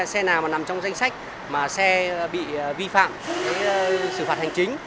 xe nào mà nằm trong danh sách mà xe bị vi phạm xử phạt hành chính